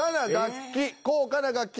「高価な楽器」。